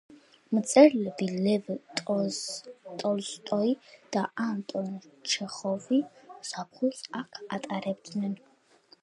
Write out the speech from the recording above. მწერლები ლევ ტოლსტოი და ანტონ ჩეხოვი ზაფხულს აქ ატარებდნენ.